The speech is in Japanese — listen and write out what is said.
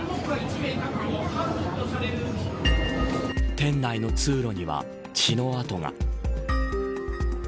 店内の通路には血の跡が。